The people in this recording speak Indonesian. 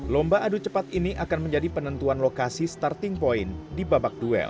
lomba adu cepat ini akan menjadi penentuan lokasi starting point di babak duel